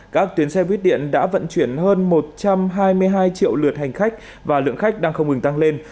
các tuyến xe buýt điện đã vận chuyển hơn một trăm hai mươi hai triệu lượt hành khách và lượng khách đang không ngừng tăng lên